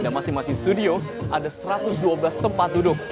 dan masing masing studio ada satu ratus dua belas tempat duduk